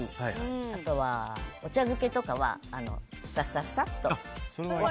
あとは、お茶漬けとかはササッと。